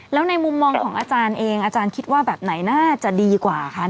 แล้วในมุมมองของอาจารย์เองอาจารย์คิดว่าแบบไหนน่าจะดีกว่าคะ